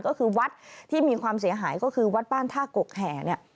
ก็คือวัดที่มีความเสียหายก็คือวัดบ้านท่ากกแห่เนี่ย